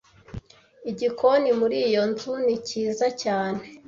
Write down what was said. Igikoni muri iyo nzu ni cyiza cyane.